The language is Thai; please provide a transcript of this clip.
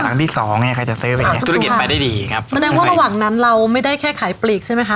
หลังที่สองเนี้ยใครจะซื้อไปเนี้ยธุรกิจไปได้ดีครับหมายถึงว่าระหว่างนั้นเราไม่ได้แค่ขายปลีกใช่ไหมคะ